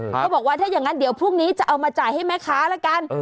เขาบอกว่าถ้าอย่างนั้นเดี๋ยวพรุ่งนี้จะเอามาจ่ายให้แม่ค้าละกัน